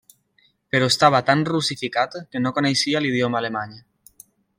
Però estava tan russificat, que no coneixia l'idioma alemany.